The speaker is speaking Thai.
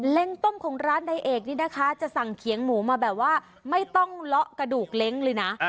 ต้มของร้านใดเอกนี่นะคะจะสั่งเขียงหมูมาแบบว่าไม่ต้องเลาะกระดูกเล้งเลยนะ